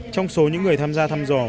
trong số những người tham gia thăm dò